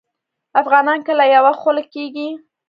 افغانان کله یوه خوله کیږي؟